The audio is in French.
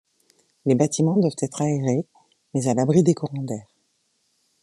Les bâtiments doivent être aérés mais à l’abri des courants d'air.